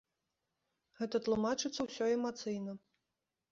Гэта тлумачыцца ўсё эмацыйна.